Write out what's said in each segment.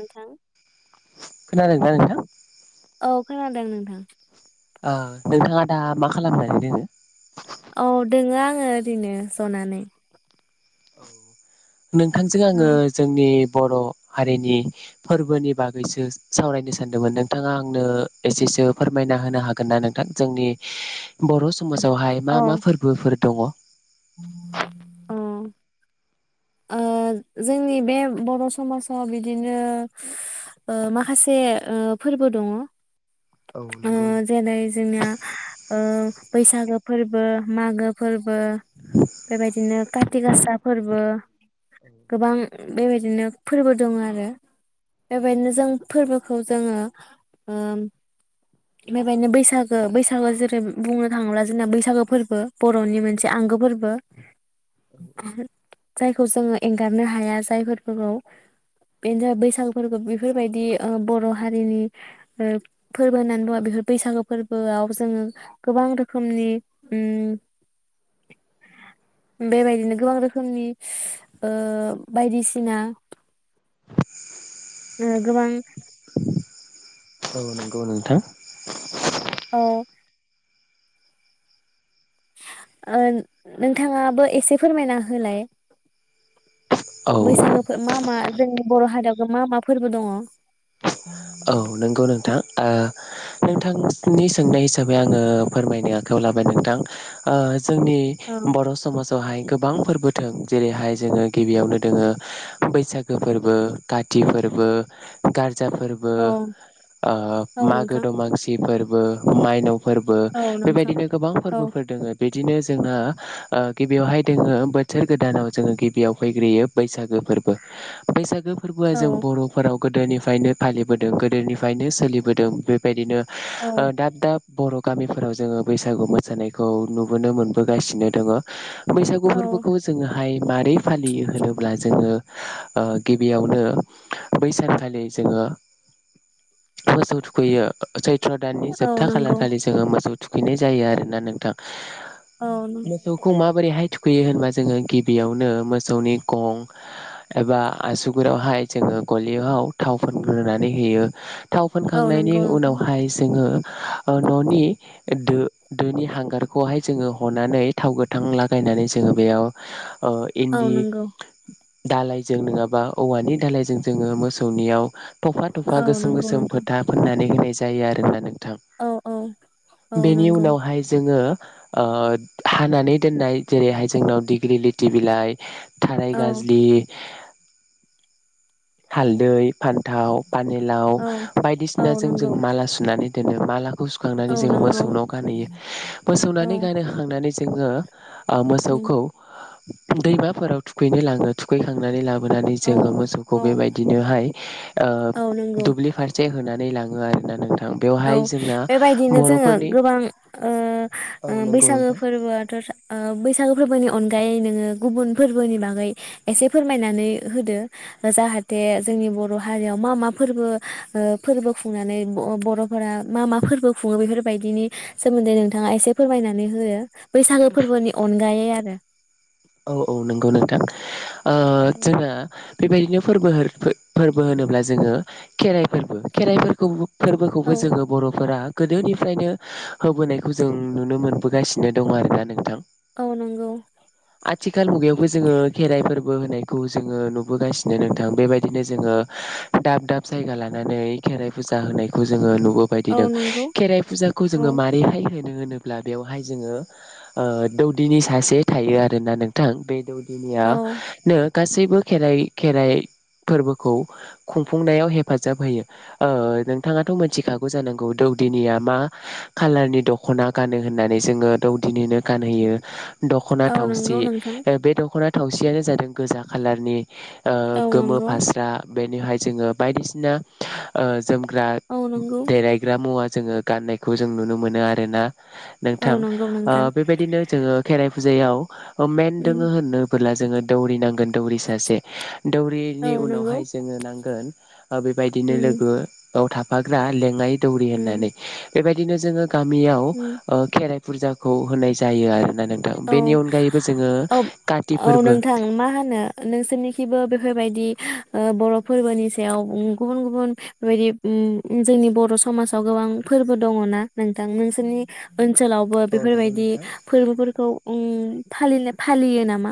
नोंथां खोनादोंना नोंथां? औ खोनादों नोंथां। ओ नोंथाङा दा मा खालामनानै दङो? औ दङो आङो ओरैनो जनानै। नोंथांजों औ आङो जोंनि बर' हारिनि फोरबोनि बागैसो सावरायनो सानदोंमोन नोंथाङा आंनो एसेसो फोरमायना होनो हागोन ना नोंथां जोंनि बर' समाजावहाय मा मा फोरबोफोर दङ? अउ ओ जोंनि बे बर' समाजाव बिदिनो ओ माखासे ओ फोरबो दङ ओ जेरै जोंनिया ओ बैसागो फोरबो, मागो फोरबो, बेबायदिनो काति गासा फोरबो गोबां बेबायदिनो फोरबो दङ आरो बेबायदिनो जों फोरबोखौ जोङो ओ बेबायदिनो बैसागो बैसागो जेरै बुंनो थाङोब्ला जोंना बैसागो फोरबो बर'नि मोनसे आंगो फोरबो जायखौ जोङो एंगारनो हाया जायफोरखौ बेनो बैसागुफोरखौ बेफोरबायदि ओ बर' हारिनि ओ फोरबो होननानै बुङो बेफोर बैसागु फोरबोआव जोङो गोबां रोखोमनि उम बेबायदिनो गोबां रोखोमनि ओ बायदिसिना ओ गोबां औ नंगौ नोंथां। औ। ओ नोंथाङाबो एसे फोरमायना होलाय औ बैसागोखौ मा मा जोंनि बर' हारियावबो मा मा फोरबो दङ। औ नंगौ नोंथां ओ नोंथांनि सोंनाय हिसाबै आङो फोरमायनो आखाइायाव लाबाय नोंथां ओ जोंनि बर' समाज वहाय गोबां फोरबो दं जेरैहाय जोङो गिबियावनो दोङो बैसागो फोरबो काति फोरबो गारजा फोरबो। औ औ मागो नोंथां दमांसि फोरबो। माइनाव फोरबो औ नोंथां बेबायदिनो गोबां औ फोरबोफोर दोङो। बिदिनो जोंहा गिबियावहाय दोङो बोसोर गोदानाव जोङो गिबियाव फैग्रोयो बैसागो फोरबो बैसागो। फोरबोआ जों औ बर'फोराव। गोदोनिफ्रायनो। फालिबोदों गोदोनिफ्रायनो सोलिबोदों बेबायदिनो। औ दाब दाब। बर गामिफोराव जोङो बैसागु मोसानायखौ नुबोनो मोनबोगासिनो दङ। बैसागु औ फोरबोफोरखौबो जोङोहाय। मारै फालियो होनोब्ला जोङो गिबियावनो बैसागखालि जोङो। मोसौ थुखैयै। सैथ्र दाननि औ जोबथा नंगौ खालाखालि जोङो मोसौ। थुखैनाय जायो आरोना नोंथां। औ नों- मोसौखौ माबोरैहाय। थुखैयो होनबा जोङो गिबियावनो मोसौनि गं एबा आसुगुरावहाय जोङो गलियाव थावफोर। रुनानै होयो। थाव औ फोनखांनायनि नंगौ नोंथां उनावहाय जोङो। ननि दो दोनि हांगारखौहाय जोङो हनानै थाव गोथां लागायनानै जोङो बेयाव। औ औ इन्दि। नंगौ दालायजों नङाबा औवानि दालायजों जोङो मोसौनियाव। थफा थफा औ गोसोम नंगौ गोसोम नोंथां खोथा फोननानै होनाय। जायो आरो होना नों। थां औ औ औ बेनि नंगौ उनावहाय जोङो। ओ हानानै दोननाय जेरैहाय जोंनाव डिग्रि लिरथि बिलाइ। थाराय औ गाज्लि। हालदै। फान्थाव पानिलाव औ औ बायदिसिनाजों जों नंगौ माला सुनानै। बिदिनो माला। औ औ सुखांनानै जों नंगौ मोसौनाव गानहैयो औ मोसौनानै गानहांनानै। जोङो। उम, मोसौखौ। दैमाफोराव थुखैनो लाङो थुखैखांनानै लाबो। लाबोनानै औ जोङो मोसौखौ औ बेबायदिनोहाय। ओ औ नंगौ दुब्लि फारसे होनो सोनानै लाङो आरोना नोंथां औ बेवहाय जोंना बेबायदिनो जोङो बर'फोरनि गोबां ओ औ ओ नंगौ बैसागो नोंथां फोरबोआथ' ओ बैसागो फोरबोनि अनगायै नोङो गुबुन फोरबोनि बागै एसे फोरमायनानै होदो जाहाथे जोंनि बर' हारियाव मा मा फोरबो ओ फोरबो खुंनानै ब-बर' फोरा मा मा फोरबो खुङो बेफोरबायदिनि सोमोन्दै नोंथाङा एसे फोरमायनानै हो बैसागो फोरबोनि अनगायै आरो औ औ नंगौ नोंथां। ओ जोङो बेबायदिनो फोरबो फोरबो होनोब्ला जोङो खेराइ फोरबो खेराइफोरखौ औ फोरबोखौबो जोङो बर'फोरा गोदोनिफ्रायनो होबोनायखौ जों नुनो मोनबोगासिनो दं आरोना नोंथां। औ नंगौ। आथिखाल मुगायावबो जोङो खेराइफोर बो होनायखौ जोङो नुबोगासिनो नोंथां बेबायदिनो जोङो दाब दाब जायगा लानानै खेराइ फुजा होनायखौ जोङो नु बो औ बायदिनो नंगौ खेराइ फुजाखौ जोङो औ मारैहाय होयो मानो होनोब्ला बेवहाय जोङो ओ दौदिनि सासे थायो आरो। ना नोंथां बै दौ औ दौदिनियानो गासैबो खेराइ खेराइ फोरबोखौ खुंफुंनायाव हेफाजाब होयो। ओ नोंथाङाथ' मोनथिखा गौ जानांगौ दौदिनिया मा खालारनि दखना गानो होननानै जोङो दौदिनिनो गानहोयो दखना औ नंगौ थावसि नोंथां बे दखना थावसेयानो जादों गोजा खालारनि ओ औ गोमो नंगौ फास्रा बेनिहाय जोङो बायदिसिना ओ जोमग्रा औ नंगौ देलायग्रा मुवा जोङो गाननायखौ जों नुनो मोनो आरो ना। औ नोंथां नंगौ ओ नोंथां बेबायदिनो जोङो खेराय फुजायाव ओमेेन उम दोङो होननोबोला जोङो दौरि नांगोन। दौरि सासे औ दौरिनि नंगौ उनावहाय जोङो नांगोन ओ बेबायदिनो उम लोगो याव थाफाग्रा लेङाय दौरि उम होननानै बेबायदिनो जोङो गामियाव उम खेराय फुजाखौ होनाय जायो आरो नोंथां औ बेनि अनगायैबो जोङो औ काति औ फोरबो नोंथां मा होनो नोंसोरनिखिबो बेफोर बेफोरबायदि बर फोरबोनि सायाव गुबुन गुबुन बेबायदि जोंनि बर समाजाव गोबां फोरबो दङ ना नोंथां नोंसोरनि ओनसोलावबो औ नंगौ बेफोरबायदि नोंथां फोरबोफोर नायखौ उम फालिनो फलियो नामा?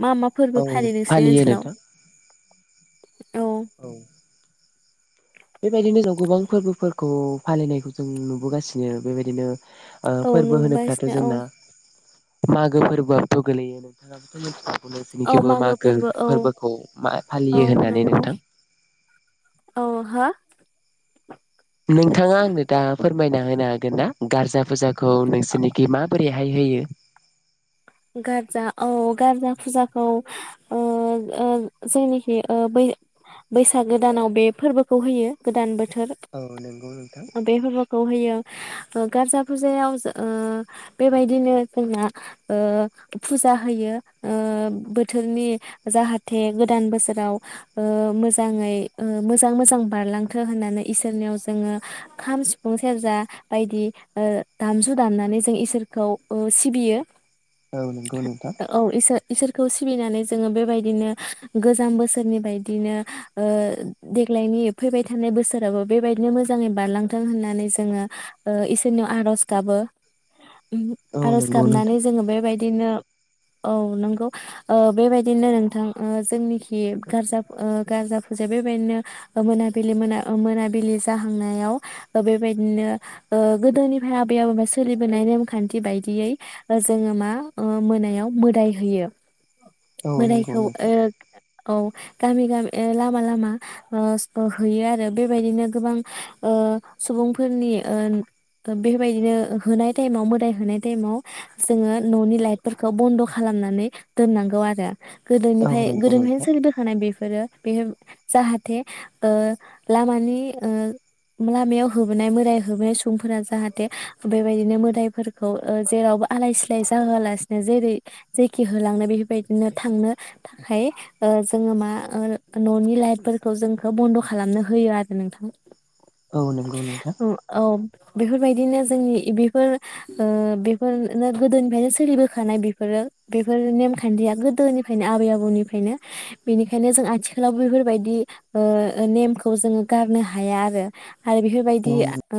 मा मा फोरबो औ फालि नोंसिनि फालियो ओनसोलाव? नोंथां औ बेबायदिनो जों गोबां फोरबोफोरखौ फालिनायखौ जों नुबोगासिनो बेबायदिनो औ फोरबो होनोफ्लाथ नुगासिनो औ जोंना मागो फोरबोआबोथ गोग्लैयो नोंथां औ नोंसिनिखैबो मागो फोरबो औ फोरबोखौ मा औ फालियो होननानै नंगौ नोंथां औ हो नोंथाङा आंनो दा फोरमायना होनो हागोन ना गारजा फुजाखौ नोंसोरनिखि माबोरै बैहाय होयो गारजा औ गारजा फुजाखौ ओ ओ जेनिखि ओ बैै बैसागो गोदानाव बे फोरबोखौ होयो गोदान बोथोर औ नंगौ नोंथां बोथोर बे फोरबोखौ होयो ओ गारजा फुजायाव ओ बेबायदिनो जोंना ओ फुजा होयो ओ बोथोरनि जाहाथे गोदान बोसोराव ओ मोजाङै मोजां मोजां बारलांथो होननानै इसोरनियाव जोङो खाम सिफुं सेरजा बायदि ओ दामजु दामनानै जों इसोरखौ ओ सिबियो औ नंगौ नोंथां औ इसोर इसोरखौ सिबिनानै जोङो बेबायदिनो गोजाम बोसोरनि बायदिनो ओ देग्लायनि फैबाय थानाय बोसोराबो बेबायदिनो मोजाङै बारलांथों होननानै जोङो ओ इसोरनियाव आरज गाबो औ आरज नंगौ नोंथां गाबनानै जोङो बेबायदिनो औ नंगौ ओ बेबायदिनो नोंथां जोंनिखि गारजा ओ गारजा फुजाया बेबायदिनो मोनाबिलि मोना मोनाबिलि जाहांनायाव बेबायदिनो ओ गोदोनिफ्राय आबै आबौनिफाय सोलिबोनाय नेमखान्थि बायदियै जोङो मा मोनायाव मोदाय होयो औ नंगौ मोदायखौ नोंथां ओ औ गामि गामि लामा लामा ओ हैयो आरो बेबायदिनो गोबां ओ सुबुंफोरनि ओ बेबायदिनो होनाय टाइमाव मोदाय होनाय टाइमाव जोङो ननि लाइटफोरखौ बन्द खालामनानै दोननांगौ आरो औ गोदोनिफ्राय नंगौ गोदोनिफ्रायनो नोंथां सोलिबोखानाय बे बे जाहाथे ओ लामानि ओ लामायाव होबोनाय मोदाय होबोनाय सुबुंफोरा जाहाथे बेबायदिनो मोदायफोरखौ ओ जेराव आलाय सिलाय जाहोआलासिनो जेरै जेखि होलांनो बेबायदिनो थांनो थाखाय ओ जोङो मा ननि लाइटफोरखौ जोंखौ बन्द खालामनो होयो आरो नोंथां औ नंगौ नोंथां। औ बेफोरबायदिनो जोंनि बेफोर ओ बेफोर गोदोनिफ्रायनो सोलिबोखानाय बेफोरो बेफोर नेमखान्थिया गोदोनिफ्रायनो आबै आबौनिफ्रायनो बेनिखायनो जों आथिखालाव बेफोरबायदि ओ नेमखौ जोङो गारनो हाया आरो। आरो औ बेफोरबायदि नों ओ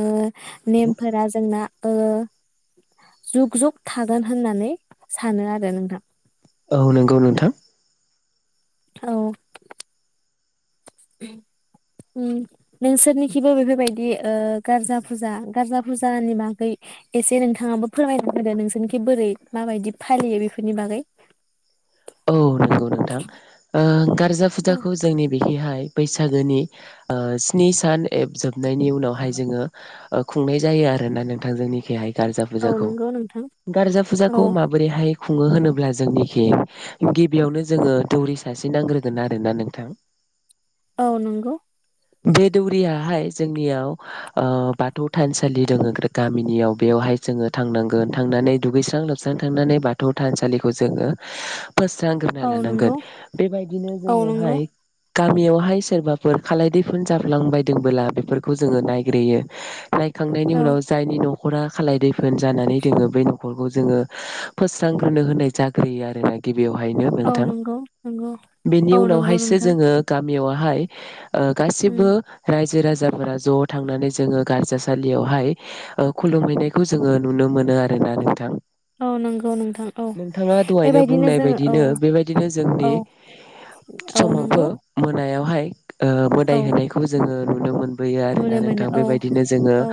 नेमफोरा जोंना ओ जुग जुग थागोन होननानै सानो आरो नोंथां। औ नंगौ नोंथां। औ। नोंसोरनिखिबो बेफोरबायदि ओ गारजा फुजा गारजा फुजानि बागै एसे नोंथाङाबो फोरमायनो होदो नोंसोरनिखि बोरै माबायदि फालियो बेफोरनि बागै औ नंगौ नोंथां ओ गारजा फुजाखौ जोंनि बेहिहाय बैसागोनि ओ स्नि सान एप जोब नायनि उनावहाय जोङो ओ खुंनाय जायो आरो ना नोंथां जोंनिखैहाय गारजा औ फुजाखौ नंगौ नोंथां गारजा औ फुजाखौ माबोरैहाय खुङो होनोब्ला जोंनिखि गिबियावनो जोङो दौरि सासे नांग्रोगोन आरोना नोंथां। औ नंगौ। बे दौरियाहाय जोंनियाव ओ बाथौ थानसालि दङ गामिनियाव बेयावहाय जोङो थांनांगोन थांनानै दुगैस्रां लोबस्रां थांनानै बाथौ थानसालिखौ जोङो फोस्रांग्रोना औ नंगौ लानांगोन बेबायदिनो औ नंगौ जोङोहाय गामियावहाय सोरबाफोर खालायदैफ फोन जाफ्लांबायदोंबोला बेफोरखौ जोङो नायग्रोयो नायखांनायनि औ उनाव जायनि न नखरा खालाय दैफो फोन जानानै दोङो बेै नख नखरखो जोङो फोस्रां होनो होनाय जाग्रोयो आरोना गि बेवहायनो औ नोंथां नंगौ नंगौ बेनि औ नंगौ उनावहायसो नोंथां जोङो गाम बेयावहाय ओ उम गासिबो रायजो राजा जाफोरा ज थांनानै जोङो गारजासालियावहाय खुलुमहैनायखौ जोङो नुनो मोनो आरोना नोंथां। औ नंगौ नोंथां औ नोंथाङा दहायनो बेबायदिनो बुंनाय जों औ बायदिनो बेबायदिनो जोंनि औ औ समावबो नंगौ मोनायाव हाय ओ दाय औ होनायखौ जोङो नुनो मोन [unintelligible] आरोना नुनो नोंथां मोनो औ बेबायदिनो जोङो औ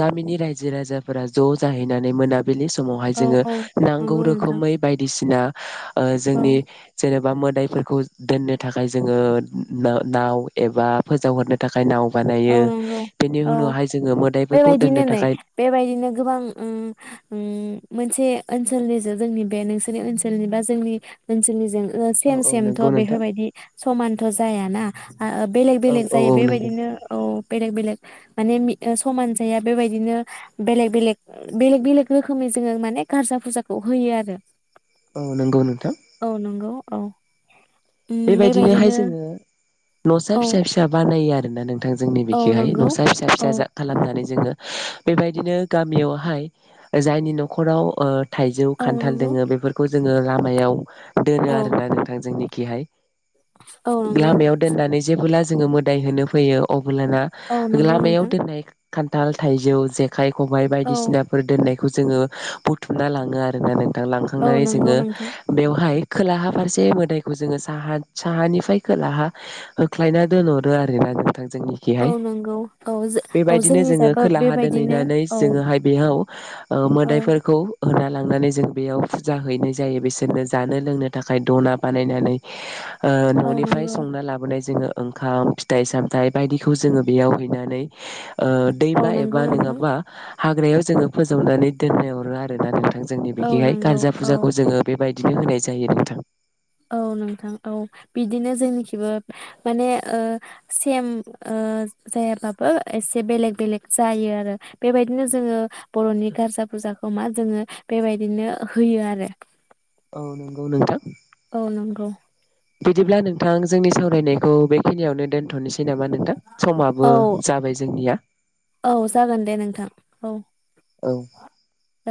गामिनि रायजो राजाफोरा ज जाहैनानै मोना बेलि समावहाय औ जोङो औ नांगौ नंगौ नोंथां रोखोमै बायदिसिना ओ औ जोंनि जेनेब बा मोदाइफोरखौ दोननो थाखाय जोङो ना नाव एबा फोजावहरनो थाखाय नाव औ बानायो नंगौ बेनि औ उनावहाय जोङो मोदायफोरखौ दोननो बेबायदिनो नै थाखाय बेबायदिनो गोबां उम उम मोनसे ओनसोलनिजों जोंनि बे नोंसोरनि ओनसोलनि बा जोंनि ओनसोलनिजों औ सेम औ सेमथ' नंगौ नोंथां बेफोरबायदि समानथ' जायाना बेलेग औ बेलेग औ जायो औ नंगौ बेबायदिनो बेलेग बेलेग माने समान जाया बेबायदिनो बेलेग बेलेग बेलेग बेलेग रोखोमै जोङो माने गारजा फुजाखौ होयो आरो। औ नोंगौ नोंथां। औ नंगौ औ। उम बेबायदिनोहाय बेबायदिनो जोङो नसा औ फिसा फिसा बानायो आर नोंनानों थां जोंनि औ बिखिहाय नंगौ नसा फिसा औ फिसा खालामनानै जोङो बेबायदिनो गामियावहाय जायनि नख'राव ओ थाइजौ औ खान्थाल नंगौ दोङो बेफोरखौ जोङो लामायाव दोनो औ आरोना नोंथां जोंनि खिहाय औ नंगौ लामायाव दोननानै जेबोला जोङो मोदाय होनो फैयो अब लाना औ नंगौ लामायाव नोंथां दोननाय खान्थाल थाइजौ जे खाय खबाय औ बायदिसिनाफोर दोननाय खौ जोङो बुथुमना लाङो आरोना नों थां औ लांखांनानै नंगौ जोङो नोंथां बेवहाय खोलाहा फारसे मोदायखौ जोङो साहा साहानिफ्राय खोलाहा होख्लायना दोनहरो आरोना। थां औ जोंनिखिहाय नंगौ औ जो औ बेबायदिनो जोंनि जोङो जाबो खोलाहा बेबायदिनो दोनहैनानै औ जोङोहाय बेहाव ओ औ मोदायफोरखौ होना लांनानै जों बेयाव फुजा हैनाय जायो बिसोरनो जानो लोंनो थाखाय दना बानायनानै ओ औ न'निफ्राय नंगौ संना लाबोनाय जोङो ओंखाम फिथाइ सामथाइ बायदिखौ जोङो बेयाव हैनानै ओ औ दैमा नंगौ एबा नोंथां नङाबा हाग्रायाव जोङो फोजौनानै दोननायहरो आरोना नों जोंनि औ बिदिहाय नंगौ गारजा औ फुजाखौ जोङो बेबायद दिनो होनाय जायो नोंथां। औ नोंथां औ बिदिनो जोंनिखिबो माने ओ सेम ओ जायाबाबो एसे बेलेग बेलेग जायो आरो बेबायदिनो जोङो बर'नि गारजा फुरजाखौ मा जोङो बेबायदिनो होयो आरो। नंगौ औ नोंथां। औ नंगौ बिदिब्ला नोंथां जोंनि सावरायनायखौ बेखिनियावनो दोनथ'नोसै नामा नोंथां समाबो औ जाबाय जोंनिया? औ जागोन दे नोंथां औ। औ ओ